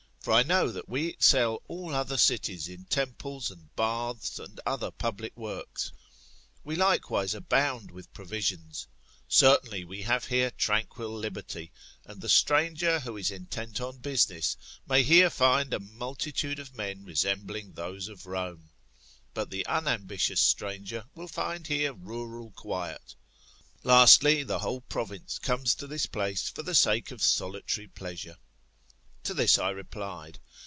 For I know that we excel all other cities in temples, and baths, and other public works. We likewise abound with provisions. Certainly we have here tranquil liberty ; and the stranger who is intent on business, may here find a multitude of men resembling those of Rome ; but the unambitious stranger will here find rural quiet. Lastly, the whole province comes to this place, for the sake of solitary pleasure. To this I replied.